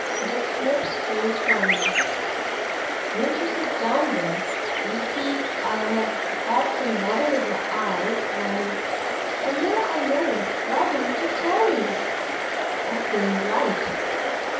Dick's lips closed firmly. "Won't you sit down, then? You see, I've had some bother with my eyes, and——" "I know. I know. Why didn't you tell me?" "I couldn't write."